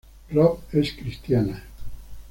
Robb es cristiana.